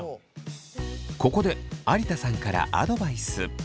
ここで有田さんからアドバイス。